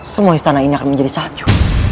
semua istana ini akan menjadi salju